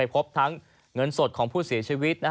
พบทั้งเงินสดของผู้เสียชีวิต